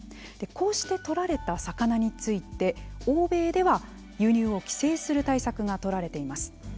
こうして取られた魚について欧米では、輸入を規制する対策が取られています。